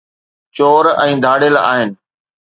چور ۽ ڌاڙيل آهن